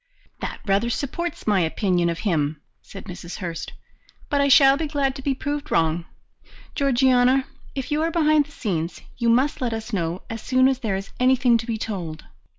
"That rather supports my opinion of him," said Mrs. Hurst. "But I shall be glad to be proved wrong. Georgiana, if you are behind the scenes, you must let us know as soon as there is anything to be told."